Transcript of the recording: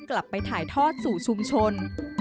กลับไปถ่ายทอดสู่ชุมชน